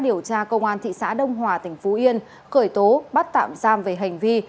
điều tra công an thị xã đông hòa tỉnh phú yên khởi tố bắt tạm giam về hành vi